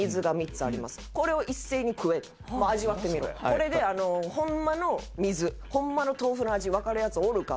これで「ホンマの水ホンマの豆腐の味わかるヤツおるか？」